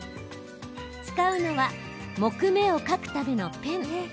使うのは、木目を描くためのペン。